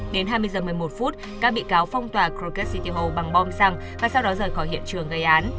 đến hai mươi h một mươi một các bị cáo phong tòa crooked city hall bằng bom xăng và sau đó rời khỏi hiện trường gây án